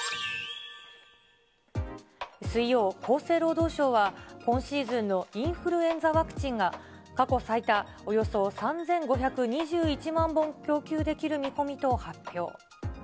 水曜、厚生労働省は、今シーズンのインフルエンザワクチンが、過去最多およそ３５２１万本供給できる見込みと発表。